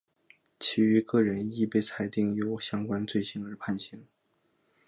其余各人亦被裁定有相关罪行而获刑。